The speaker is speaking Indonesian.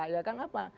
ya kan apa